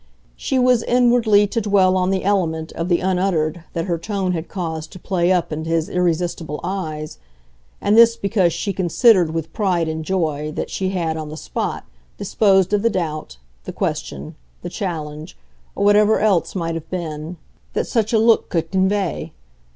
She was inwardly to dwell on the element of the unuttered that her tone had caused to play up into his irresistible eyes; and this because she considered with pride and joy that she had, on the spot, disposed of the doubt, the question, the challenge, or whatever else might have been, that such a look could convey.